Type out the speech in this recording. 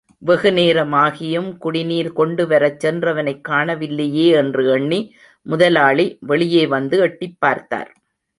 வெகுநேரமாகியும் குடிநீர் கொண்டுவரச் சென்றவனைக் காணவில்லையே என்று எண்ணி, முதலாளி, வெளியே வந்து எட்டிப் பார்த்தார்.